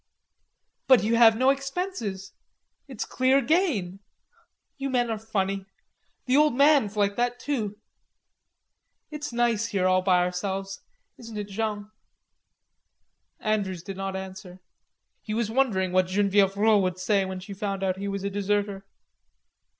"But you have no expenses.... It's clear gain.... You men are funny. The old man's like that too.... It's nice here all by ourselves, isn't it, Jean?" Andrews did not answer. He was wondering what Genevieve Rod would say when she found out he was a deserter.